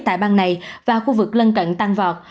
tại bang này và khu vực lân cận tăng vọt